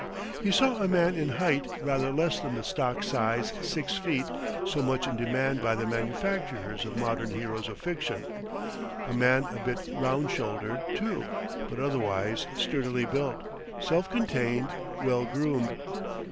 He saw a man in height rather less than the stock size six feet so much in demand by the manufacturers of modern heroes of fiction; a man a bit round shouldered, too, but otherwise sturdily built, self contained, well groomed.